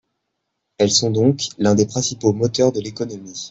Elles sont donc l’un des principaux moteurs de l’économie.